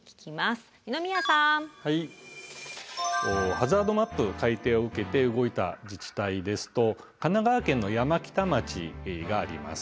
ハザードマップの改定を受けて動いた自治体ですと神奈川県の山北町があります。